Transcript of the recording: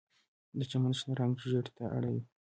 د چمن شنه رنګ ژیړ ته اړوي